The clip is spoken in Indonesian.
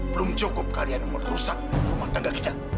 belum cukup kalian mau rusak rumah tangga kita